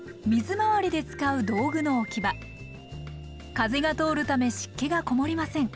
風が通るため湿気が籠りません。